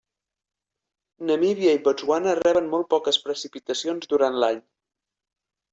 Namíbia i Botswana reben molt poques precipitacions durant l'any.